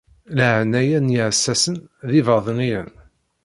Leɛnaya n yiɛessasen d yibaḍniyen.